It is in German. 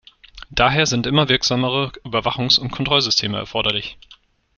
Daher sind immer wirksamere Überwachungs- und Kontrollsysteme erforderlich.